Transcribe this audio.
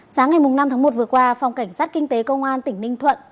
sáng ngày năm tháng một vừa qua phòng cảnh sát kinh tế công an tỉnh ninh thuận